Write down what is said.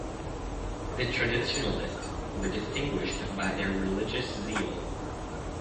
The traditionalists were distinguished by their religious zeal.